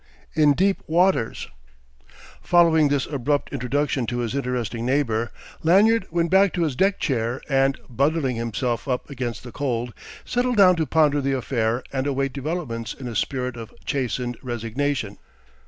IV IN DEEP WATERS Following this abrupt introduction to his interesting neighbour, Lanyard went back to his deck chair and, bundling himself up against the cold, settled down to ponder the affair and await developments in a spirit of chastened resignation.